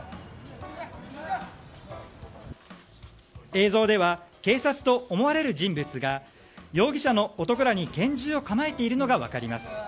映像では警察と思われる人物が容疑者の男らに拳銃を構えているのが分かります。